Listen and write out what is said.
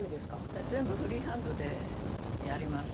全部フリーハンドでやりますので。